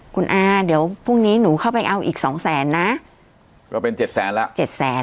คุณอาเดี๋ยวพรุ่งนี้หนูเข้าไปเอาอีกสองแสนนะก็เป็นเจ็ดแสนแล้วเจ็ดแสน